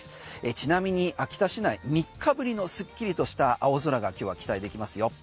ちなみに秋田市内３日ぶりのすっきりとした青空が今日は期待できますよ。